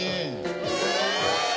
え！